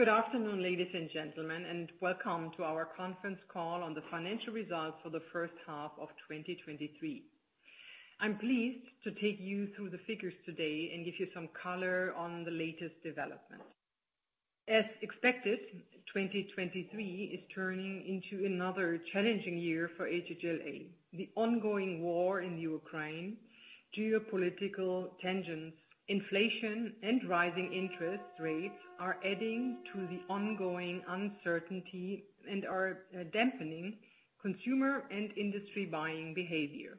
Good afternoon, ladies and gentlemen, welcome to our conference call on the financial results for the first half of 2023. I'm pleased to take you through the figures today and give you some color on the latest development. As expected, 2023 is turning into another challenging year for HHLA. The ongoing war in Ukraine, geopolitical tensions, inflation, and rising interest rates are adding to the ongoing uncertainty and are dampening consumer and industry buying behavior.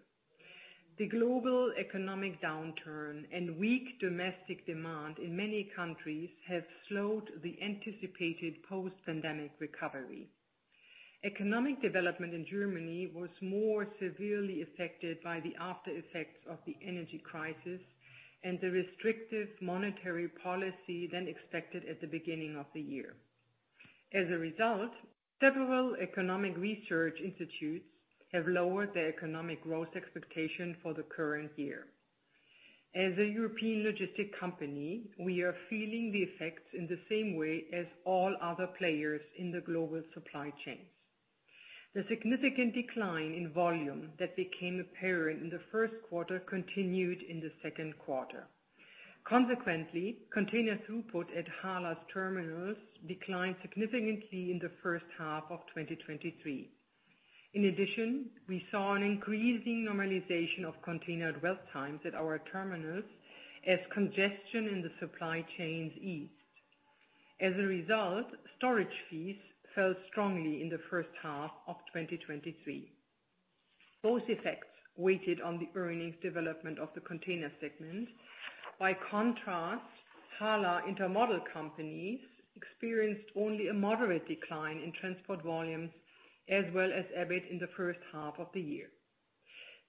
The global economic downturn and weak domestic demand in many countries have slowed the anticipated post-pandemic recovery. Economic development in Germany was more severely affected by the after effects of the energy crisis and the restrictive monetary policy than expected at the beginning of the year. As a result, several economic research institutes have lowered their economic growth expectation for the current year. As a European logistics company, we are feeling the effects in the same way as all other players in the global supply chains. The significant decline in volume that became apparent in the Q1 continued in the Q2. Consequently, container throughput at HHLA's terminals declined significantly in the first half of 2023. In addition, we saw an increasing normalization of container dwell times at our terminals as congestion in the supply chains eased. As a result, storage fees fell strongly in the first half of 2023. Both effects weighted on the earnings development of the container segment. By contrast, HHLA intermodal companies experienced only a moderate decline in transport volumes, as well as EBIT in the first half of the year.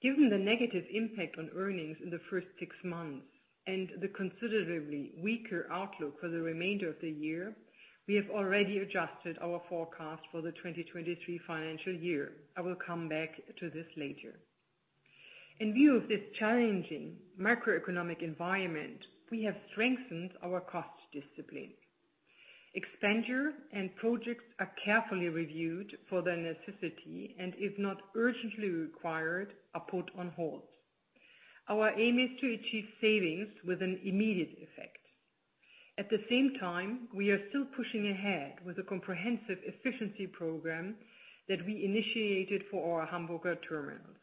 Given the negative impact on earnings in the first six months and the considerably weaker outlook for the remainder of the year, we have already adjusted our forecast for the 2023 financial year. I will come back to this later. In view of this challenging macroeconomic environment, we have strengthened our cost discipline. Expenditure and projects are carefully reviewed for their necessity, and if not urgently required, are put on hold. Our aim is to achieve savings with an immediate effect. At the same time, we are still pushing ahead with a comprehensive efficiency program that we initiated for our Hamburger terminals.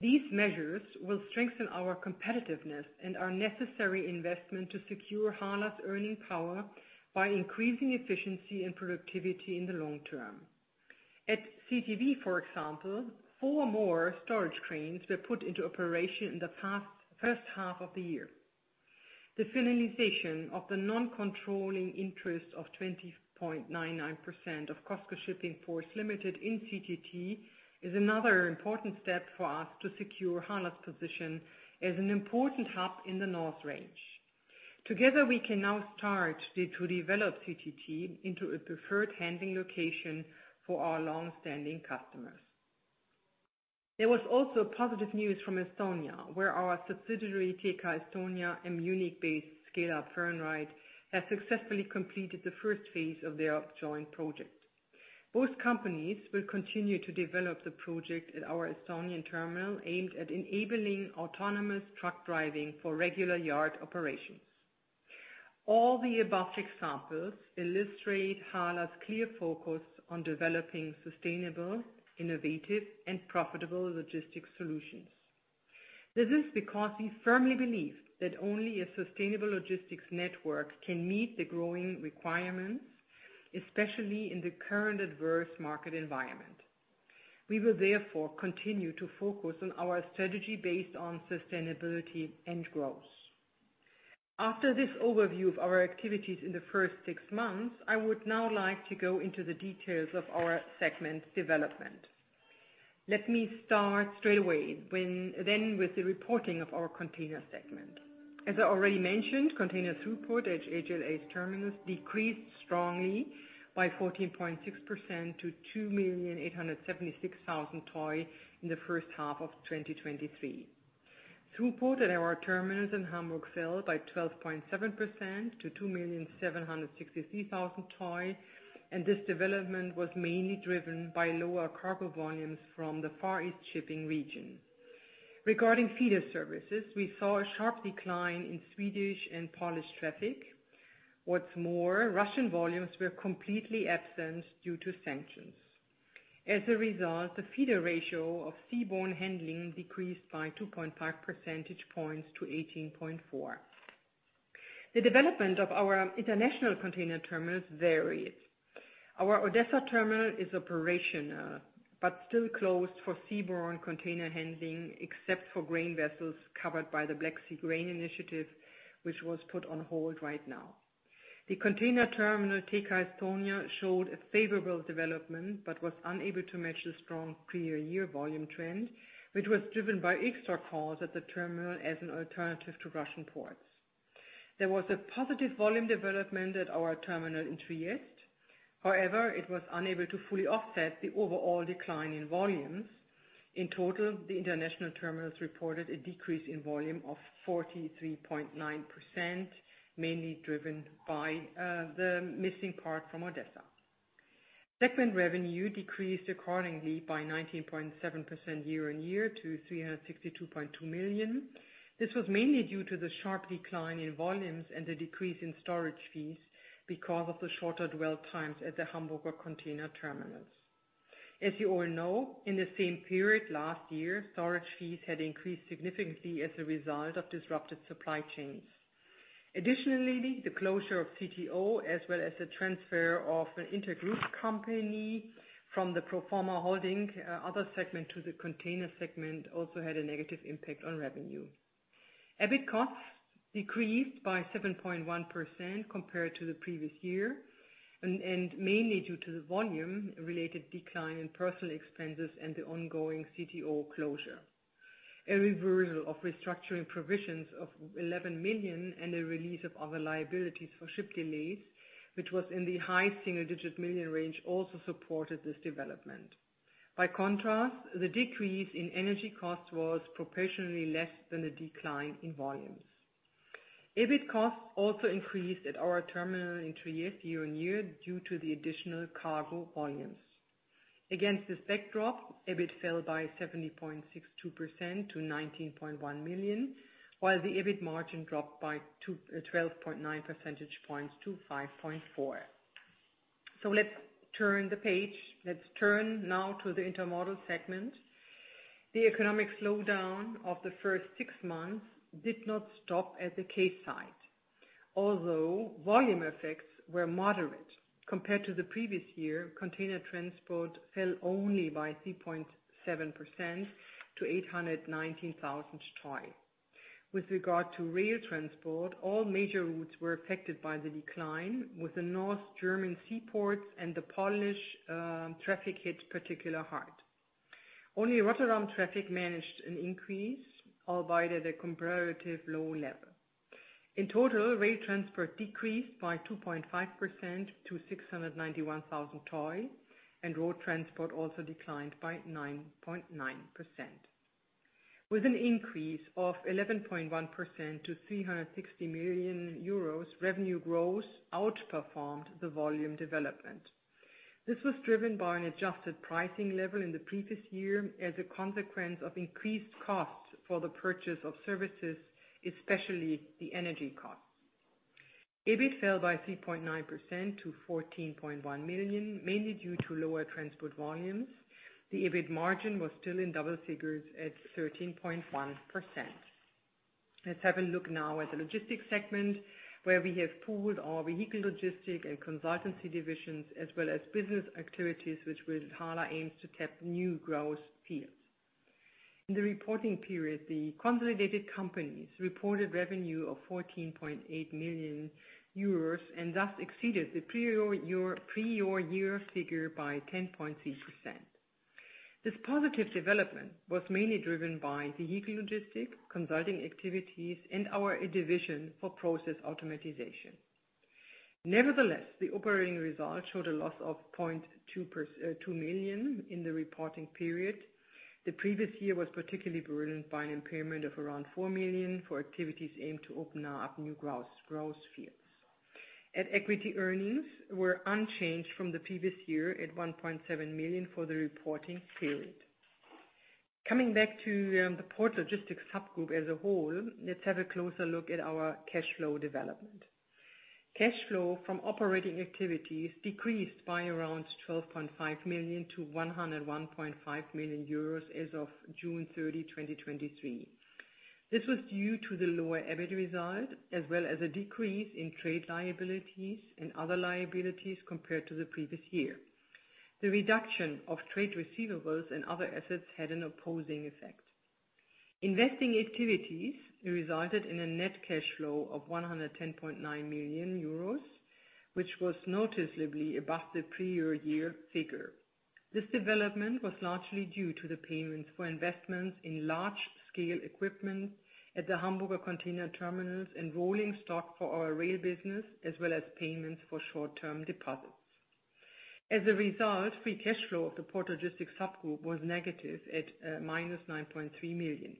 These measures will strengthen our competitiveness and are necessary investment to secure HHLA's earning power by increasing efficiency and productivity in the long term. At CTT, for example, four more storage cranes were put into operation in the past first half of the year. The finalization of the non-controlling interest of 20.99% of COSCO Shipping Ports Limited in CTT is another important step for us to secure HHLA's position as an important hub in the North Range. Together, we can now start to develop CTT into a preferred handling location for our long-standing customers. There was also positive news from Estonia, where our subsidiary, TK Estonia, and Munich-based Scaleup Fernride, have successfully completed the first phase of their joint project. Both companies will continue to develop the project at our Estonian terminal, aimed at enabling autonomous truck driving for regular yard operations. All the above examples illustrate HHLA's clear focus on developing sustainable, innovative, and profitable logistics solutions. This is because we firmly believe that only a sustainable logistics network can meet the growing requirements, especially in the current adverse market environment. We will therefore continue to focus on our strategy based on sustainability and growth. After this overview of our activities in the first six months, I would now like to go into the details of our segment development. Let me start straight away with the reporting of our container segment. As I already mentioned, container throughput at HHLA's terminals decreased strongly by 14.6% to 2,876,000 TEU in the first half of 2023. Throughput at our terminals in Hamburg fell by 12.7% to 2,763,000 TEU, and this development was mainly driven by lower cargo volumes from the Far East shipping region. Regarding feeder services, we saw a sharp decline in Swedish and Polish traffic. What's more, Russian volumes were completely absent due to sanctions. As a result, the feeder ratio of seaborne handling decreased by 2.5 percentage points to 18.4. The development of our international container terminals varied. Our Odessa terminal is operational, but still closed for seaborne container handling, except for grain vessels covered by the Black Sea Grain Initiative, which was put on hold right now. The container terminal, TK Estonia, showed a favorable development, but was unable to match the strong pre-year volume trend, which was driven by extra calls at the terminal as an alternative to Russian ports. There was a positive volume development at our terminal in Trieste. However, it was unable to fully offset the overall decline in volumes. In total, the international terminals reported a decrease in volume of 43.9%, mainly driven by the missing part from Odessa. Segment revenue decreased accordingly by 19.7% year-on-year to 362.2 million. This was mainly due to the sharp decline in volumes and the decrease in storage fees because of the shorter dwell times at the Hamburger container terminals. As you all know, in the same period last year, storage fees had increased significantly as a result of disrupted supply chains. The closure of CTO, as well as the transfer of an intergroup company from the pro forma holding, other segment to the container segment, also had a negative impact on revenue. EBIT costs decreased by 7.1% compared to the previous year, and mainly due to the volume-related decline in personnel expenses and the ongoing CTO closure. A reversal of restructuring provisions of 11 million and a release of other liabilities for ship delays, which was in the high single-digit million range, also supported this development. By contrast, the decrease in energy costs was proportionally less than the decline in volumes. EBIT costs also increased at our terminal in Trieste year-on-year, due to the additional cargo volumes. Against this backdrop, EBIT fell by 70.62% to 19.1 million, while the EBIT margin dropped by 12.9 percentage points to 5.4%. Let's turn the page. Let's turn now to the intermodal segment. The economic slowdown of the first six months did not stop at the quayside, although volume effects were moderate. Compared to the previous year, container transport fell only by 3.7% to 819,000 TEUs. With regard to rail transport, all major routes were affected by the decline, with the North German seaports and the Polish traffic hit particular hard. Only Rotterdam traffic managed an increase, albeit at a comparative low level. In total, rail transport decreased by 2.5% to 691,000 TEUs. Road transport also declined by 9.9%. With an increase of 11.1% to 360 million euros, revenue growth outperformed the volume development. This was driven by an adjusted pricing level in the previous year as a consequence of increased costs for the purchase of services, especially the energy costs. EBIT fell by 3.9% to 14.1 million, mainly due to lower transport volumes. The EBIT margin was still in double figures at 13.1%. Let's have a look now at the logistics segment, where we have pooled our vehicle logistics and consultancy divisions, as well as business activities, which with HHLA aims to tap new growth fields. In the reporting period, the consolidated companies reported revenue of 14.8 million euros, thus exceeded the pre-year figure by 10.3%. This positive development was mainly driven by vehicle logistics, consulting activities, and our division for process automatization. Nevertheless, the operating results showed a loss of 0.2 million in the reporting period. The previous year was particularly burdened by an impairment of around 4 million for activities aimed to open up new growth fields. At equity, earnings were unchanged from the previous year at 1.7 million for the reporting period. Coming back to the Port Logistics subgroup as a whole, let's have a closer look at our cash flow development. Cash flow from operating activities decreased by around 12.5 million to 101.5 million euros as of June 30, 2023. This was due to the lower EBIT result, as well as a decrease in trade liabilities and other liabilities compared to the previous year. The reduction of trade receivables and other assets had an opposing effect. Investing activities resulted in a net cash flow of 110.9 million euros, which was noticeably above the pre year figure. This development was largely due to the payments for investments in large-scale equipment at the Hamburger container terminals and rolling stock for our rail business, as well as payments for short-term deposits. Result, free cash flow of the Port Logistics subgroup was negative at -9.3 million.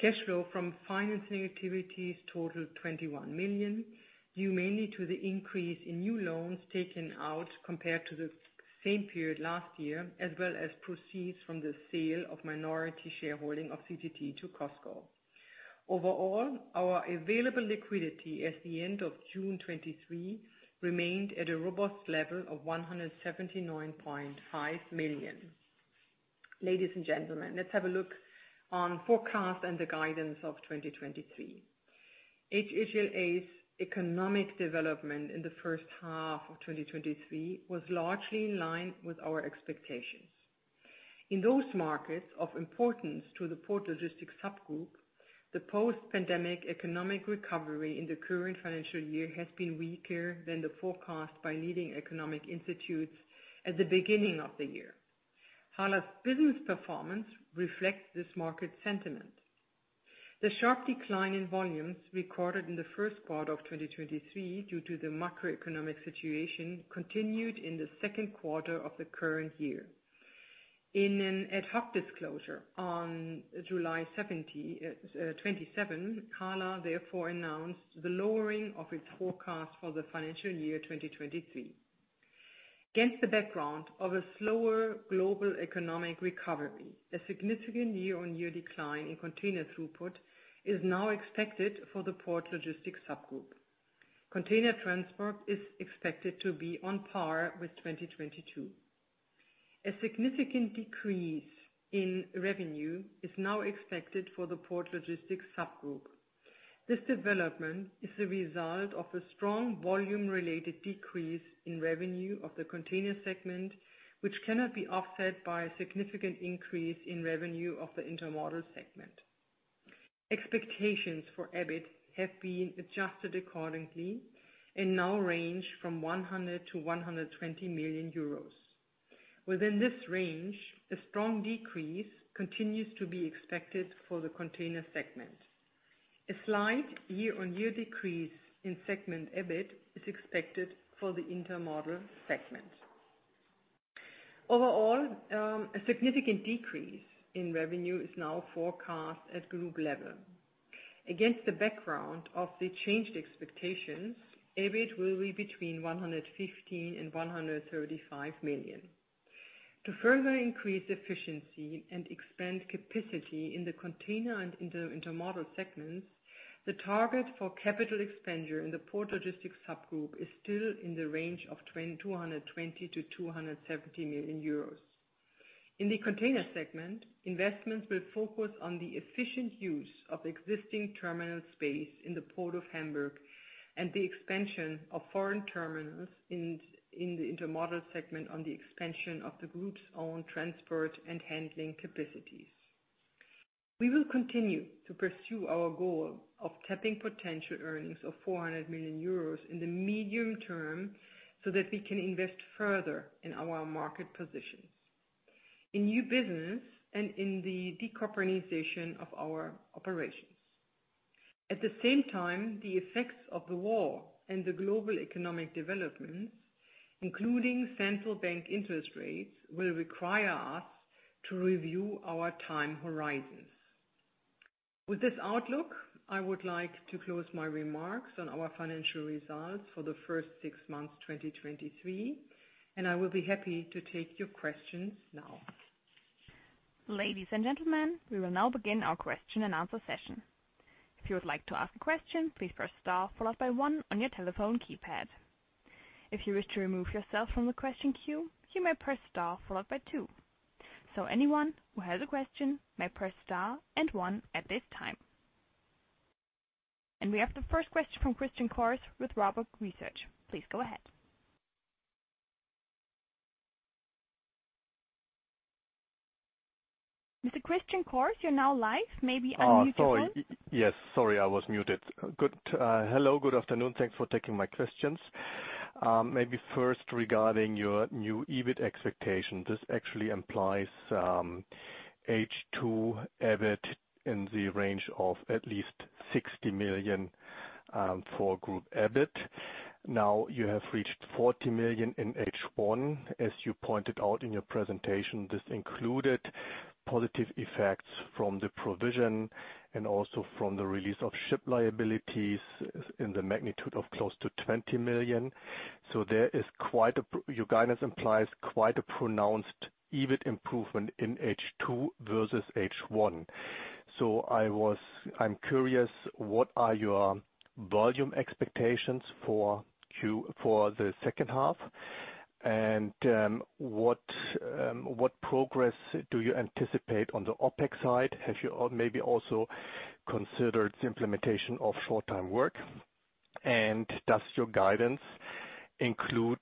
Cash flow from financing activities totaled 21 million, due mainly to the increase in new loans taken out compared to the same period last year, as well as proceeds from the sale of minority shareholding of CTT to COSCO. Our available liquidity at the end of June 2023 remained at a robust level of 179.5 million. Ladies and gentlemen, let's have a look on forecast and the guidance of 2023. HHLA's economic development in the first half of 2023 was largely in line with our expectations. In those markets of importance to the Port Logistics subgroup, the post-pandemic economic recovery in the current financial year has been weaker than the forecast by leading economic institutes at the beginning of the year. HHLA's business performance reflects this market sentiment. The sharp decline in volumes recorded in the Q1 of 2023, due to the macroeconomic situation, continued in the Q2 of the current year. In an ad hoc disclosure on July 27, HHLA therefore announced the lowering of its forecast for the financial year 2023. Against the background of a slower global economic recovery, a significant year-on-year decline in container throughput is now expected for the Port Logistics subgroup. Container transport is expected to be on par with 2022. A significant decrease in revenue is now expected for the Port Logistics subgroup. This development is the result of a strong volume-related decrease in revenue of the container segment, which cannot be offset by a significant increase in revenue of the intermodal segment. Expectations for EBIT have been adjusted accordingly and now range from 100 million-120 million euros. Within this range, a strong decrease continues to be expected for the container segment. A slight year-on-year decrease in segment EBIT is expected for the intermodal segment. Overall, a significant decrease in revenue is now forecast at group level. Against the background of the changed expectations, EBIT will be between 115 million and 135 million. To further increase efficiency and expand capacity in the container and intermodal segments, the target for capital expenditure in the Port Logistics subgroup is still in the range of 220 million-270 million euros. In the container segment, investments will focus on the efficient use of existing terminal space in the port of Hamburg, and the expansion of foreign terminals in, in the intermodal segment on the expansion of the group's own transport and handling capacities. We will continue to pursue our goal of tapping potential earnings of 400 million euros in the medium term, so that we can invest further in our market positions, in new business, and in the decarbonization of our operations. At the same time, the effects of the war and the global economic development, including central bank interest rates, will require us to review our time horizons. With this outlook, I would like to close my remarks on our financial results for the first 6 months, 2023, and I will be happy to take your questions now. Ladies and gentlemen, we will now begin our question and answer session. If you would like to ask a question, please press star followed by one on your telephone keypad. If you wish to remove yourself from the question queue, you may press star followed by two. Anyone who has a question may press star and one at this time. We have the first question from Christian Karas with Raiffeisen Research. Please go ahead. Mr. Christian Karas, you're now live. Maybe unmute yourself. Oh, sorry. Yes, sorry, I was muted. Good, hello, good afternoon. Thanks for taking my questions. Maybe first, regarding your new EBIT expectation, this actually implies H2 EBIT in the range of at least 60 million for group EBIT. Now, you have reached 40 million in H1. As you pointed out in your presentation, this included positive effects from the provision and also from the release of ship liabilities in the magnitude of close to 20 million. There is quite a pr- your guidance implies quite a pronounced EBIT improvement in H2 versus H1. I was... I'm curious, what are your volume expectations for Q, for the second half? What, what progress do you anticipate on the OpEx side? Have you al- maybe also considered the implementation of short-time work? Does your guidance include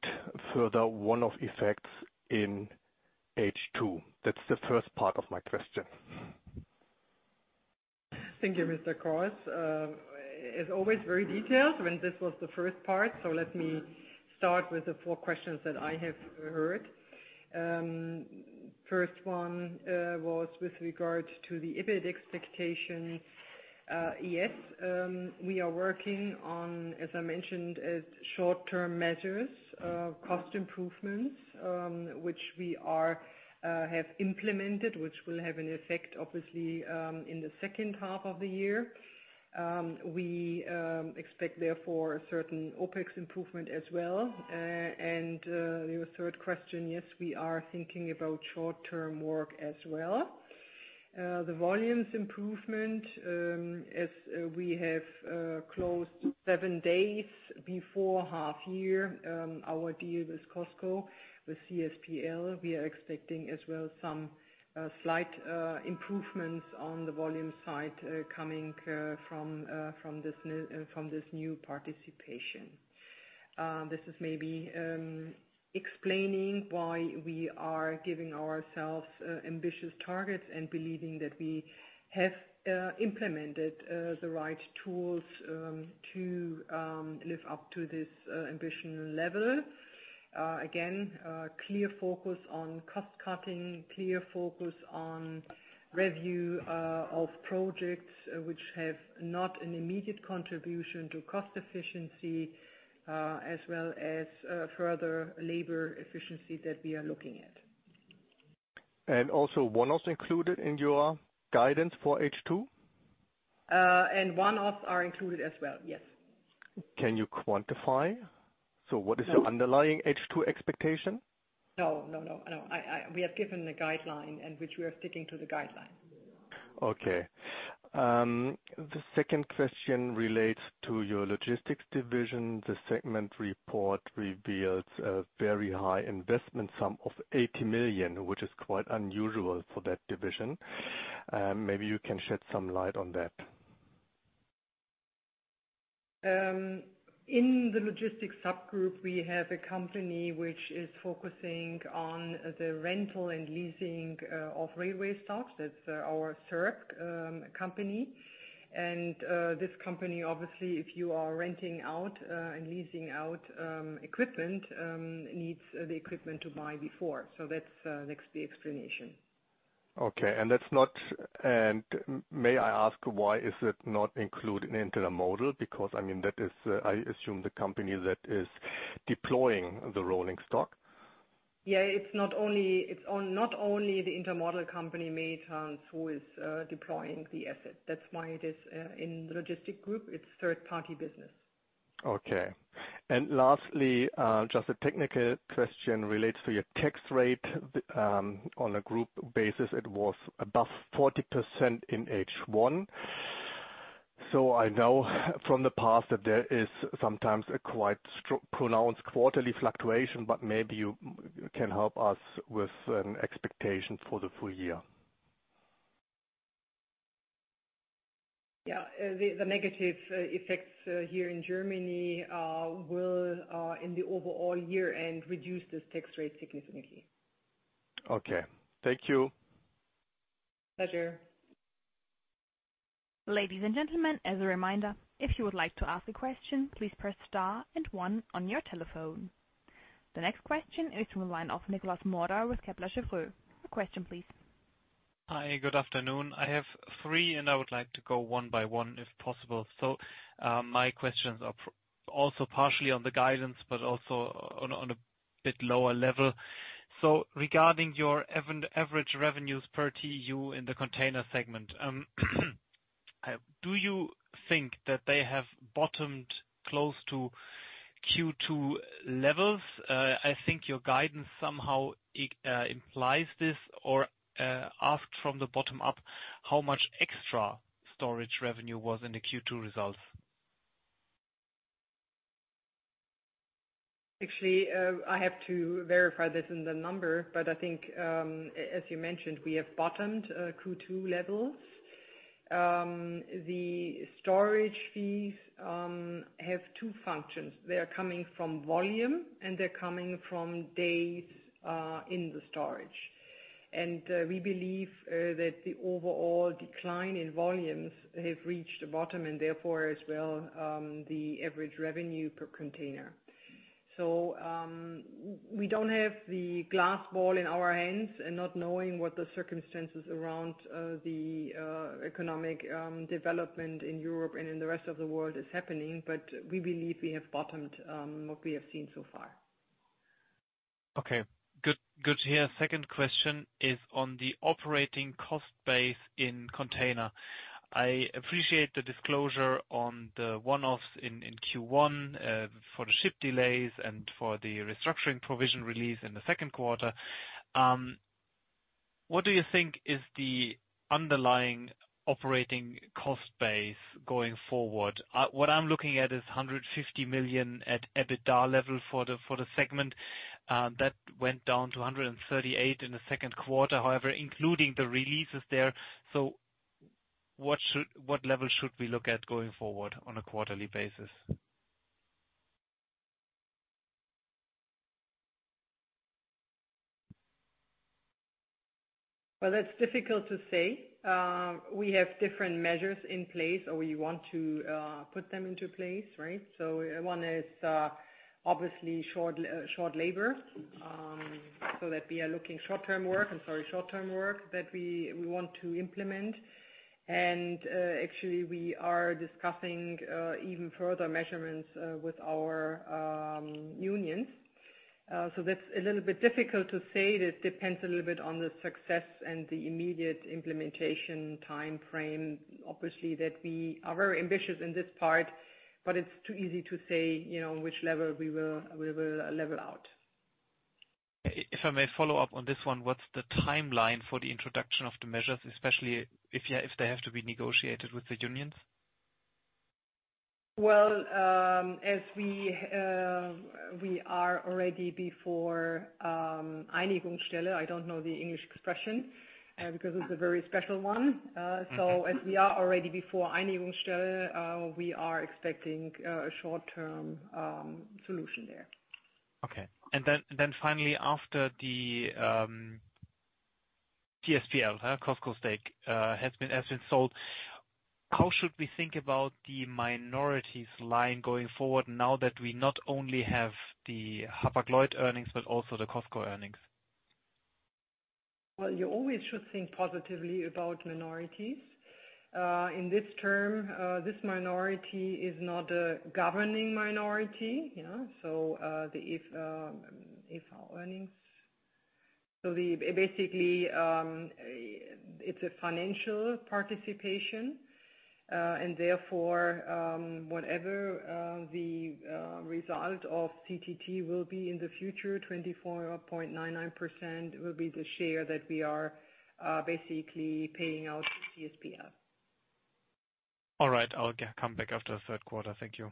further one-off effects in H2? That's the first part of my question. Thank you, Mr. Karas. As always, very detailed, and this was the first part, so let me start with the 4 questions that I have heard. First one was with regard to the EBIT expectation. Yes, we are working on, as I mentioned, short-term measures, cost improvements, which we are have implemented, which will have an effect, obviously, in the second half of the year. We expect, therefore, a certain OpEx improvement as well. Your third question, yes, we are thinking about short-time work as well. The volumes improvement, as we have closed seven days before half year, our deal with COSCO, with CSPL, we are expecting as well some slight improvements on the volume side, coming from from this new, from this new participation. This is maybe explaining why we are giving ourselves ambitious targets and believing that we have implemented the right tools to live up to this ambitious level. Again, a clear focus on cost cutting, clear focus on review of projects which have not an immediate contribution to cost efficiency, as well as further labor efficiency that we are looking at. Also one-offs included in your guidance for H2? One-offs are included as well, yes. Can you quantify? No. the underlying H2 expectation? No, no, no, I know. I, I, we have given the guideline and which we are sticking to the guideline. Okay. The second question relates to your logistics division. The segment report reveals a very high investment sum of 80 million, which is quite unusual for that division. Maybe you can shed some light on that. In the logistics subgroup, we have a company which is focusing on the rental and leasing of railway stocks. That's our Serc company. This company, obviously, if you are renting out and leasing out equipment, needs the equipment to buy before. That's that's the explanation. Okay. That's not... May I ask, why is it not included into the model? Because, I mean, that is, I assume, the company that is deploying the rolling stock. It's not only the intermodal company, Maersk, who is deploying the asset. That's why it is in the logistic group. It's third party business. Okay. Lastly, just a technical question relates to your tax rate. On a group basis, it was above 40% in H1. I know from the past that there is sometimes a quite pronounced quarterly fluctuation, but maybe you can help us with expectations for the full year. The negative effects, here in Germany, will, in the overall year end, reduce this tax rate significantly. Okay. Thank you. Pleasure. Ladies and gentlemen, as a reminder, if you would like to ask a question, please press star and one on your telephone. The next question is from the line of Nikolas Mauder with Kepler Cheuvreux. Your question, please. Hi, good afternoon. I have three, and I would like to go one by one, if possible. My questions are also partially on the guidance, but also on a, on a bit lower level. Regarding your average revenues per TEU in the container segment, do you think that they have bottomed close to Q2 levels? I think your guidance somehow implies this, or asked from the bottom up, how much extra storage revenue was in the Q2 results? Actually, I have to verify this in the number, but I think, as you mentioned, we have bottomed Q2 levels. The storage fees have two functions. They are coming from volume, and they're coming from days in the storage. We believe that the overall decline in volumes have reached the bottom, and therefore, as well, the average revenue per container. We don't have the glass ball in our hands and not knowing what the circumstances around the economic development in Europe and in the rest of the world is happening, but we believe we have bottomed what we have seen so far. Okay, good, good to hear. Second question is on the operating cost base in container. I appreciate the disclosure on the one-offs in, in Q1, for the ship delays and for the restructuring provision release in the Q2. What do you think is the underlying operating cost base going forward? What I'm looking at is 150 million at EBITDA level for the segment. That went down to 138 in the Q2, however, including the releases there. What level should we look at going forward on a quarterly basis? Well, that's difficult to say. We have different measures in place, or we want to put them into place, right? One is, obviously, short labor. So that we are looking short-time work, I'm sorry, short-time work that we, we want to implement. Actually, we are discussing even further measurements with our unions. That's a little bit difficult to say. That depends a little bit on the success and the immediate implementation timeframe. Obviously, that we are very ambitious in this part, but it's too easy to say, you know, which level we will, we will, level out. If I may follow up on this one, what's the timeline for the introduction of the measures, especially if, yeah, if they have to be negotiated with the unions? Well, as we, we are already before Einigungsstelle. I don't know the English expression, because it's a very special one. Mm-hmm. As we are already before Einigungsstelle, we are expecting a short-term solution there. Okay. Then finally, after the CSPL COSCO stake has been, has been sold, how should we think about the minorities line going forward now that we not only have the Hapag-Lloyd earnings, but also the COSCO earnings? Well, you always should think positively about minorities. In this term, this minority is not a governing minority, you know? The if, if our earnings... The, basically, it's a financial participation, and therefore, whatever, the, result of CTT will be in the future, 24.99% will be the share that we are, basically paying out to CSPL. All right. I'll get come back after the Q3. Thank you.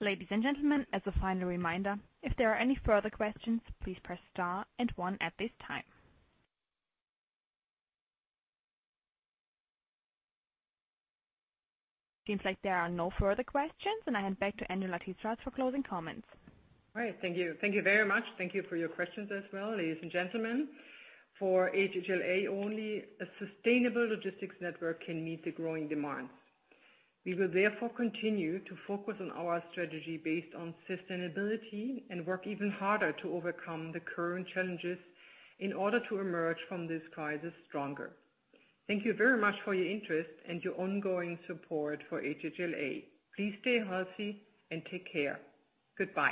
Ladies and gentlemen, as a final reminder, if there are any further questions, please press star and one at this time. Seems like there are no further questions, and I hand back to Angela Titzrath for closing comments. All right. Thank you. Thank you very much. Thank you for your questions as well, ladies and gentlemen. For HHLA only, a sustainable logistics network can meet the growing demands. We will therefore continue to focus on our strategy based on sustainability and work even harder to overcome the current challenges in order to emerge from this crisis stronger. Thank you very much for your interest and your ongoing support for HHLA. Please stay healthy and take care. Goodbye.